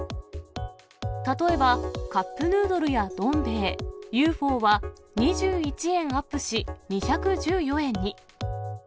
例えばカップヌードルやどん兵衛、ＵＦＯは２１円アップし２１４円に。